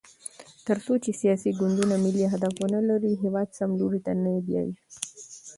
تر څو چې سیاسي ګوندونه ملي اهداف ونلري، هېواد سم لوري ته نه بیايي.